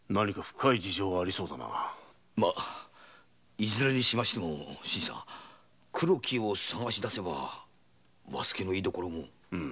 いずれにしましても黒木を捜し出せば和助の居所も。